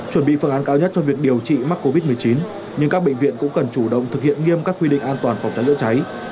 chuẩn bị phương án cao nhất cho việc điều trị mắc covid một mươi chín nhưng các bệnh viện cũng cần chủ động thực hiện nghiêm các quy định an toàn phòng cháy chữa cháy